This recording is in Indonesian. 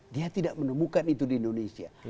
dia tidak menemukan itu di indonesia